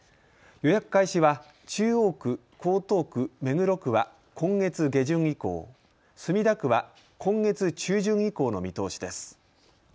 予約開始は中央区、江東区、目黒区は今月下旬以降、墨田区は今月中旬以降の見通しです。